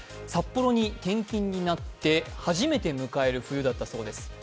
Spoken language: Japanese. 札幌に転勤になって初めて迎える冬だったそうです。